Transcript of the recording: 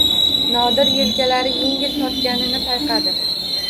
Nodir yelkalari yengil tortganini payqadi.